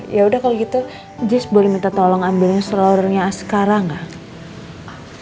ya udah kalo gitu jess boleh minta tolong ambil seluruhnya sekarang gak